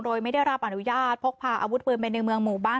โดยไม่ได้รับอนุญาตพกพาอาวุธปืนไปในเมืองหมู่บ้าน